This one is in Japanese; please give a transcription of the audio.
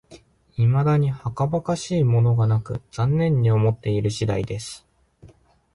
いまだにはかばかしいものがなく、残念に思っている次第です